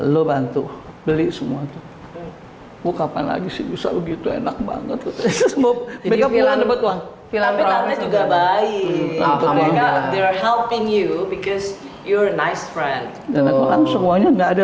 juga baik helping you because you re nice friend dan aku langsung wangnya enggak ada